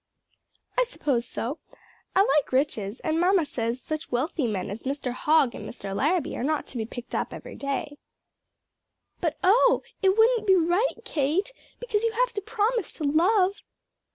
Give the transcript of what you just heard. "I suppose so; I like riches, and mamma says such wealthy men as Mr. Hogg and Mr. Larrabee are not to be picked up every day." "But, oh, it wouldn't be right, Kate! because you have to promise to love."